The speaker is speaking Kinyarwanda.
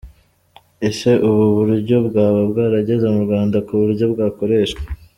Ese ubu buryo bwaba bwarageze mu Rwanda ku buryo bwakoreshwa?.